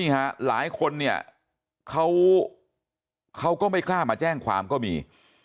หลายคนเนี่ยเขาก็ไม่กล้ามาแจ้งความก็มี